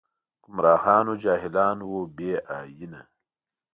ګمراهان و جاهلان و بې ائينه